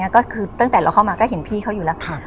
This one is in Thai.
ก็คือตั้งแต่เราเข้ามาก็เห็นพี่เขาอยู่แล้ว